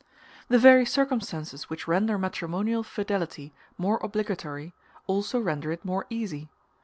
] The very circumstances which render matrimonial fidelity more obligatory also render it more easy.